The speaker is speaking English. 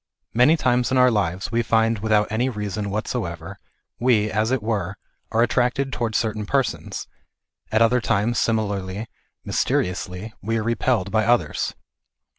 Many times in our lives we find without any reason whatsoever we, as it were, are attracted towards certain persons ; at other times, similarly, mysteriously, we are repelled by others.